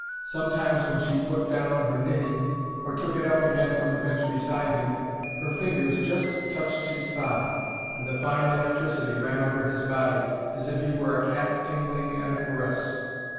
Sometimes when she put down her knitting, or took it up again from the bench beside him, her fingers just touched his thigh, and the fine electricity ran over his body, as if he were a cat tingling at a caress.